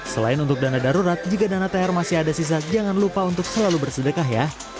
selain untuk dana darurat jika dana thr masih ada sisa jangan lupa untuk selalu bersedekah ya